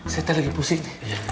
saya tadi lagi pusing